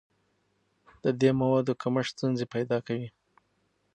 د دې موادو کمښت ستونزې پیدا کوي.